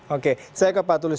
oke saya ke pak tulus